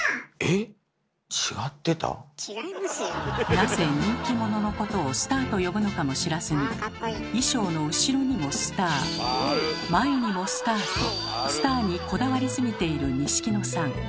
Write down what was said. なぜ人気者のことをスターと呼ぶのかも知らずに衣装の後ろにもスター前にもスターとスターにこだわりすぎている錦野さん。